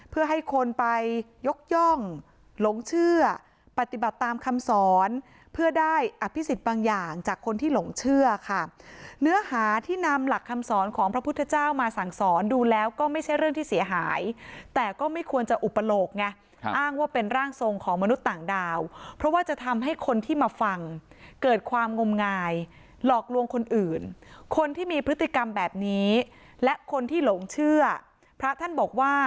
เพื่อปฏิบัติตามคำสอนเพื่อได้อภิสิตบางอย่างจากคนที่หลงเชื่อค่ะเนื้อหาที่นำหลักคำสอนของพระพุทธเจ้ามาสั่งสอนดูแล้วก็ไม่ใช่เรื่องที่เสียหายแต่ก็ไม่ควรจะอุปโลกไงอ้างว่าเป็นร่างทรงของมนุษย์ต่างดาวเพราะว่าจะทำให้คนที่มาฟังเกิดความงมงายหลอกลวงคนอื่นคนที่มีพฤติกรรมแบบ